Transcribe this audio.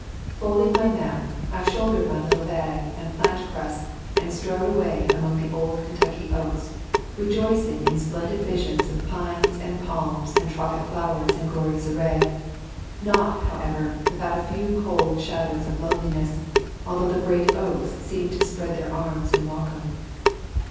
Folding my map, I shouldered my little bag and plant press and strode away among the old Ken tucky oaks, rejoicing in splendid visions of pines and palms and tropic flowers in glorious array, not, however, without a few cold shad ows of loneliness, although the great oaks seemed to spread their arms in welcome.